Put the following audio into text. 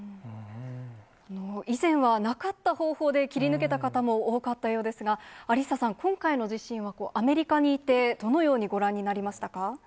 以前はなかった方法で切り抜けた方も多かったようですが、アリッサさん、今回の地震は、アメリカにいてどのようにご覧になりましたか？